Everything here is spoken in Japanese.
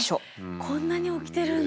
こんなに起きてるんだ！